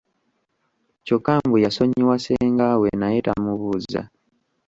Kyokka mbu yasonyiwa ssenga we naye tamubuuza.